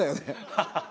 ハハハハ！